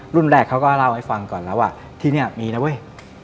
แรกเขาก็เล่าให้ฟังก่อนแล้วว่าที่นี่มีนะเว้ย